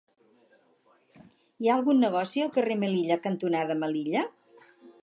Hi ha algun negoci al carrer Melilla cantonada Melilla?